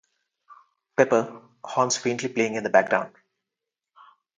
Pepper" horns faintly playing in the background".